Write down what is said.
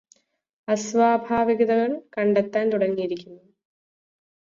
അസ്വാഭാവികതകള് കണ്ടെത്താന് തുടങ്ങിയിരുന്നു